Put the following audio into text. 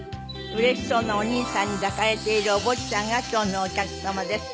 うれしそうなお兄さんに抱かれているお坊ちゃんが今日のお客様です。